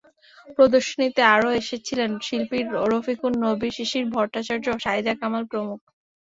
প্রদর্শনীতে আরও এসেছিলেন শিল্পী রফিকুন নবী, শিশির ভট্টাচার্য, সাঈদা কামাল প্রমুখ।